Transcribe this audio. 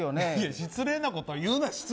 失礼なことを言うな！